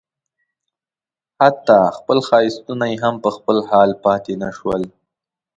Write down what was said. حتی خپل ښایستونه یې هم په خپل حال پاتې نه شول.